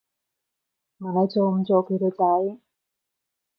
問你做唔做佢條仔